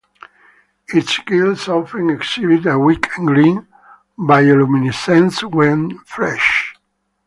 Its gills often exhibit a weak green bioluminescence when fresh.